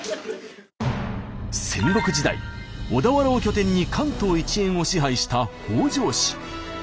戦国時代小田原を拠点に関東一円を支配した北条氏。